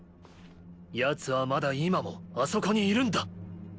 ヤツはまだ今もあそこにいるんだ！